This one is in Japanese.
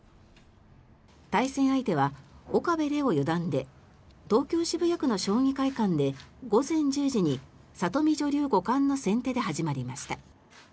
対戦相手は岡部怜央四段で東京・渋谷区の将棋会館で午前１０時に里見女流五冠の先手で始まりました。